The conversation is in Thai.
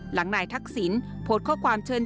หลังนายทักษิณโพสต์ข้อความเชิญ